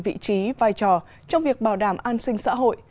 vị trí vai trò trong việc bảo đảm an sinh xã hội